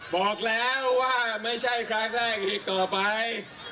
บอกแล้วว่าไม่ใช่ครั้งแรกอีกต่อไป